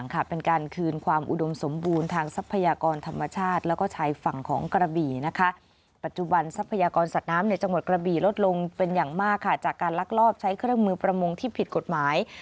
ในจังหวัดกระบี่ลดลงเป็นอย่างมากค่ะจากการลักลอบใช้เครื่องมือประมงที่ผิดกฎหมาย